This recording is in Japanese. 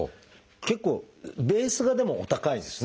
結構ベースがでもお高いんですね。